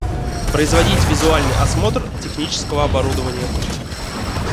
Производить визуальный осмотр технического оборудования